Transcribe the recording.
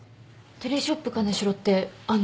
『テレショップ金城』ってあの？